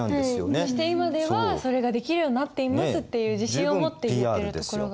そして今ではそれができるようになってますっていう自信を持って言ってるところが。